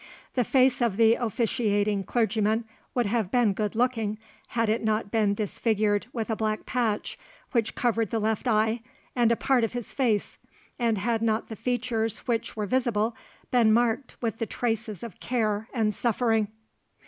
The face of the officiating clergyman would have been good looking, had it not been disfigured with a black patch which covered the left eye and a part of his face, and had not the features which were visible been marked with the traces of care and suffering.